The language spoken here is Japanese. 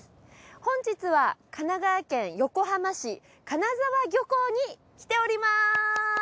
本日は神奈川県横浜市金沢漁港に来ております！